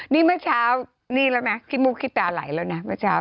นี่เมื่อเช้านี่แล้วนะคิดตาไหลแล้วนะ